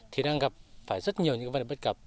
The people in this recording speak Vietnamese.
thì đang gặp phải rất nhiều những vấn đề bất cập